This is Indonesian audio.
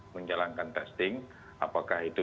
menjalankan testing apakah itu